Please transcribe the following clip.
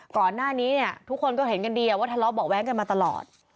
ก่อนหน้านี้เนี่ยทุกคนก็เห็นกันดีว่าทะเลาะเบาะแว้งกันมาตลอด